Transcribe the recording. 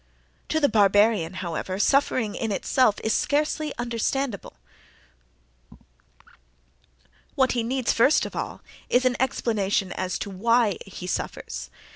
To the barbarian, however, suffering in itself is scarcely understandable: what he needs, first of all, is an explanation as to why he suffers.